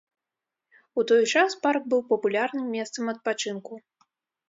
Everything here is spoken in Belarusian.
У той час парк быў папулярным месцам адпачынку.